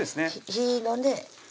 火ぃのね